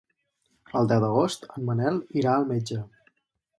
El deu d'agost en Manel irà al metge.